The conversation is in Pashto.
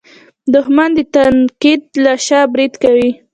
دښمن د تنقید له شا برید کوي